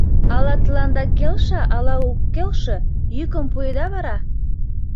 Ала тыланда келша, ала ок келше — йӱкым пуэда вара.